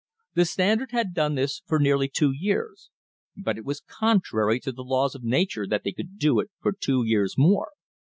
The Standard had done this for nearly two years but it was contrary to the laws of nature that they do it for two years more.